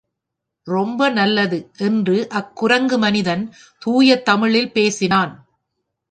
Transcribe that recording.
ரொம்பநல்லது! என்று அக்குரங்கு மனிதன் தூயத் தமிழில் பேசினான்.